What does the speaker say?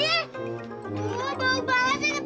eh enak banget